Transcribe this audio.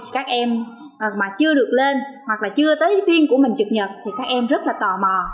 các em mà chưa được lên hoặc là chưa tới phiên của mình trực nhật thì các em rất là tò mò